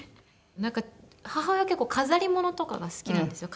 なんか母親は結構飾りものとかが好きなんですよ